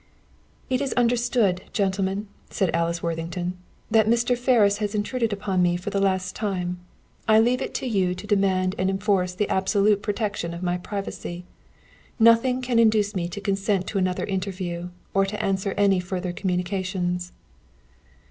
"It is understood, gentlemen," said Alice Worthington, "that Mr. Ferris has intruded upon me for the last time. I leave it to you to demand and enforce the absolute protection of my privacy. Nothing can induce me to consent to another interview, or to answer any further communications."